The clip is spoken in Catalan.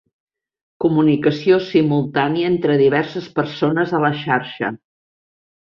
Comunicació simultània entre diverses persones a la xarxa.